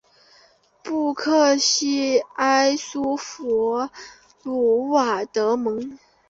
布克西埃苏弗鲁瓦德蒙。